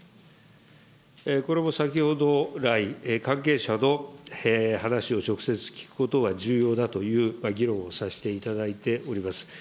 これも先ほど来、関係者の話を直接聞くということは重要だという議論をさせていただいております。